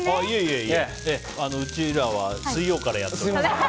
うちらは水曜からやっております。